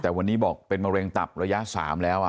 แต่วันนี้บอกเป็นมะเร็งตับระยะ๓แล้ว